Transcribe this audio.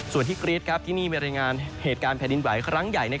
ส่วนที่กรี๊ดที่นี่มีรายงานเหตุการณ์แผ่นดินไหวครั้งใหญ่